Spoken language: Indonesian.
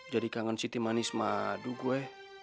jadi kangen siti manis madu gue